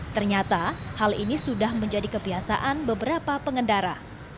ternyata hal ini sudah menjadi kebiasaan beberapa pengendara